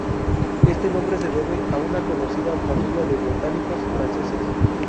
Este nombre se debe a una conocida familia de botánicos franceses.